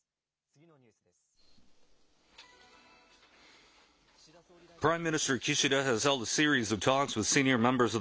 次のニュースです。